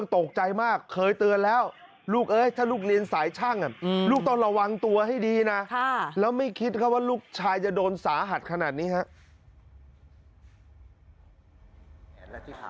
ถ้าลูกเรียนสายช่างลูกต้องระวังตัวให้ดีนะแล้วไม่คิดว่าลูกชายจะโดนสาหัสขนาดนี้ครับ